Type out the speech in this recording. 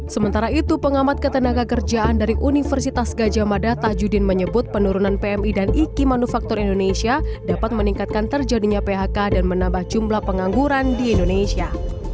sementara itu pengamat ketenaga kerjaan dari universitas gajah mada tajudin menyebut penurunan pmi dan iki manufaktur indonesia dapat meningkatkan terjadinya phk dan menambah jumlah pengangguran di indonesia